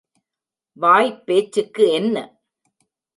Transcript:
வாய்ப் பேச்சுக்கு என்ன?